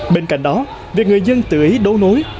bên cạnh đó việc người dân tự ý đấu nối